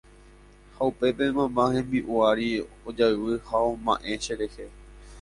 Ha upépe mamá hembi'u ári ojayvy ha oma'ẽ cherehe